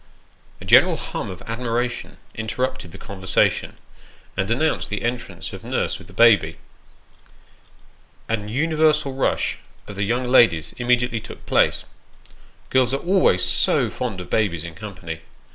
A general hum of admiration interrupted the conversation, and announced the entrance of nurse with the baby. A universal rush of the young ladies immediately took place. (Girls are always so fond of babies in company.)